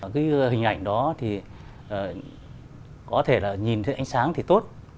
cái hình ảnh đó thì có thể là nhìn thấy ánh sáng thì tốt